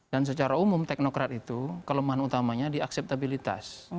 dan secara umum teknokrat itu kelemahan utamanya di akseptabilitas